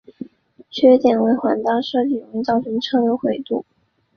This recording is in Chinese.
缺点为环道设计容易造成车流回堵。